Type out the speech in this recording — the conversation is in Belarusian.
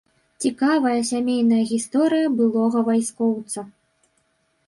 Цікавая сямейная гісторыя былога вайскоўца.